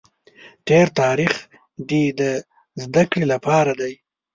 تېر تاریخ دې د زده کړې لپاره دی.